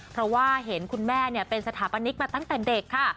เพราะว่าเห็นคุณแม่เป็นสถาปนิกมาตั้งแต่เด็กค่ะ